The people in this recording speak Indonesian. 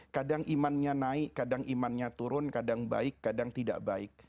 kadang imannya naik kadang imannya turun kadang baik kadang tidak baik